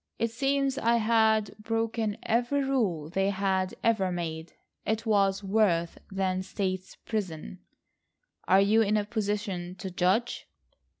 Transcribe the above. It seems I had broken every rule they had ever made. It was worse than State's prison." "Are you in a position to judge?"